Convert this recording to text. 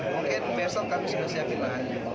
mungkin besok kami sudah siapkan